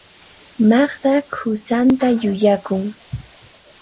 Magda qusanta yuyakun.